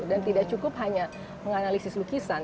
dan tidak cukup hanya menganalisis lukisan